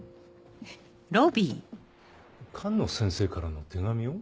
寒野先生からの手紙を？